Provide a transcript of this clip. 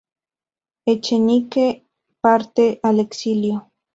Echenique parte al exilio.